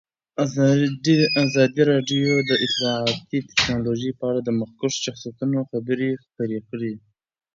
ازادي راډیو د اطلاعاتی تکنالوژي په اړه د مخکښو شخصیتونو خبرې خپرې کړي.